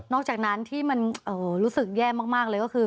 อกจากนั้นที่มันรู้สึกแย่มากเลยก็คือ